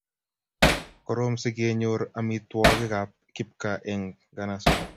Korom sikenyor amitwogikab kipkaa eng nganasok